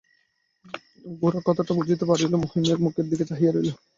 গোরা কথাটা বুঝিতে পারিল না, মহিমের মুখের দিকে চাহিয়া রহিল।